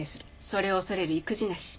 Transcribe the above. それを恐れる意気地なし。